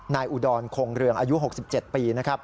นายอุดรคงเรืองอายุ๖๗ปี